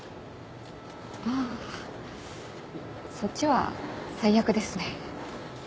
ああそっちは最悪ですね。